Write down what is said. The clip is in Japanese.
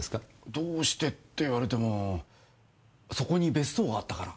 どうしてって言われてもそこに別荘があったから。